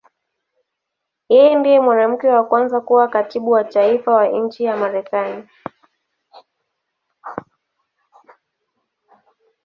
Yeye ndiye mwanamke wa kwanza kuwa Katibu wa Taifa wa nchi ya Marekani.